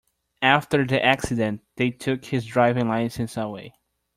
After the accident, they took his driving license away.